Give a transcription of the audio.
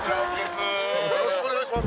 よろしくお願いします。